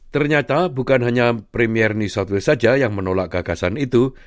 ternyata bukan hanya premierni southway saja yang menolak gagasan itu